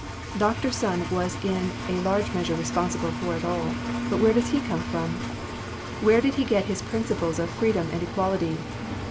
Dr. Sun was in a large measure responsible for it all, but where does he come from? Where did he get his principles of freedom and equality?